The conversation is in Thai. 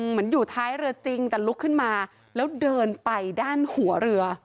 เหมือนอยู่ท้ายเรือจริงแต่ลุกขึ้นมาแล้วเดินไปด้านหัวเรือ